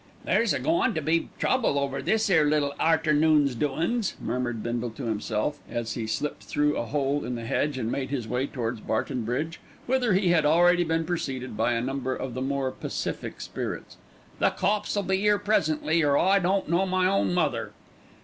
"There's a goin' to be trouble over this 'ere little arternoon's doin's," murmured Bindle to himself, as he slipped through a hole in the hedge and made his way towards Barton Bridge, whither he had already been preceded by a number of the more pacific spirits. "The cops 'll be 'ere presently, or I don't know my own mother."